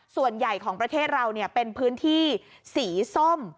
ส่วนใหญ่ของประเทศเราเป็นพื้นที่สีส้ม